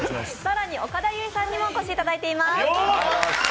更に岡田結実さんにもお越しいただいています。